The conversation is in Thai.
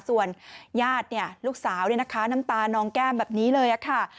ส่วนญาติลูกสาวน้ำตานองแก้มแบบนี้เลยค่ะ